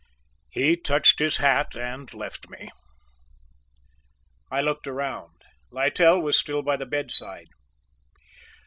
He touched his hat and left me. I looked around. Littell was still by the bedside.